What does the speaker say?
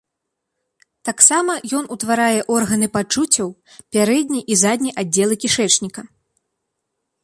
Таксама ён утварае органы пачуццяў, пярэдні і задні аддзелы кішэчніка.